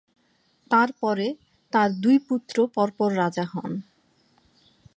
তাঁর পরে তাঁর দুই পুত্র পর পর রাজা হন।